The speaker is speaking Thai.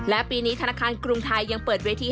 และปีนี้ธนาคารกรุงไทยยังเปิดเวที